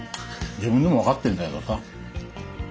自分でも分かってんだけどさ。